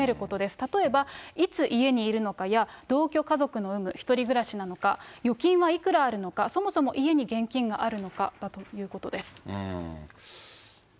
例えば、いつ、家にいるのかや、同居家族の有無、１人暮らしなのか、預金はいくらあるのか、そもそも家に現金があるのかだということです。